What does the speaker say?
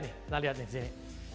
kita lihat di sini